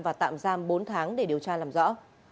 và tạm giam bốn tháng để điều tra làm rõ